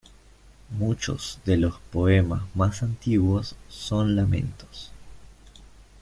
Muchos de los poemas más antiguos son lamentos.